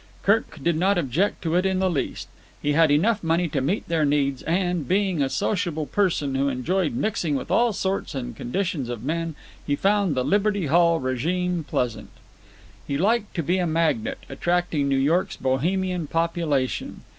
Kirk did not object to it in the least. He had enough money to meet their needs, and, being a sociable person who enjoyed mixing with all sorts and conditions of men, he found the Liberty Hall regime pleasant. He liked to be a magnet, attracting New York's Bohemian population.